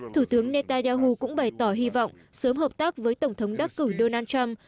thủ tướng netanyahu cũng bày tỏ hy vọng sớm hợp tác với tổng thống đắc cử donald trump